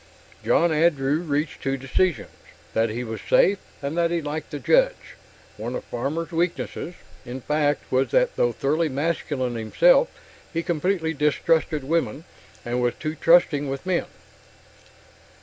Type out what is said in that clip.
John Andrew reached two decisions: that he was safe, and that he liked the "Judge." (One of Farmer's weaknesses, in fact, was that though thoroughly masculine himself he completely distrusted women, and was too trusting with men.)